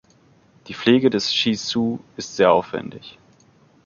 Die Pflege des Shih Tzu ist sehr aufwendig.